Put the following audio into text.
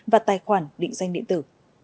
và tài khoản định danh điện tử